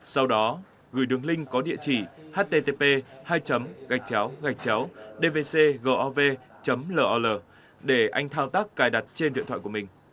sau đó gửi đường link có địa chỉ http dvcgov lol để anh thao tác cài đặt trên điện thoại của mình